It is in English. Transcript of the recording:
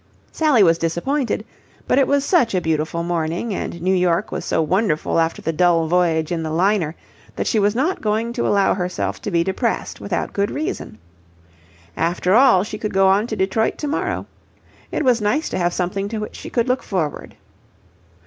Sally was disappointed, but it was such a beautiful morning, and New York was so wonderful after the dull voyage in the liner that she was not going to allow herself to be depressed without good reason. After all, she could go on to Detroit tomorrow. It was nice to have something to which she could look forward.